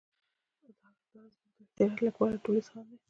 دا زموږ د اکثریت لیکوالو ټولیز حال دی.